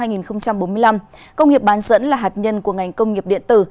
năm hai nghìn bốn mươi năm công nghiệp bán dẫn là hạt nhân của ngành công nghiệp điện tử